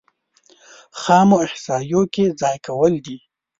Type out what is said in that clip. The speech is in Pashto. خامو احصایو کې ځای کول دي.